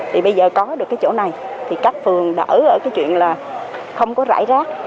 thì bây giờ có được cái chỗ này thì các phường đỡ ở cái chuyện là không có rải rác